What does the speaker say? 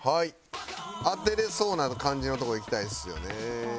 当てられそうな感じのとこいきたいですよね。